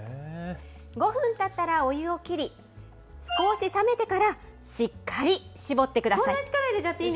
５分たったら、お湯を切り、少し冷めてから、しっかり絞ってください。